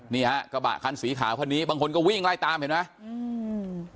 นี่ฮะกระบะคันสีขาวคันนี้บางคนก็วิ่งไล่ตามเห็นไหมอืม